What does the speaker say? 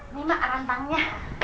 ini mak rantangnya